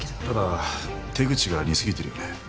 ただ手口が似過ぎてるよね。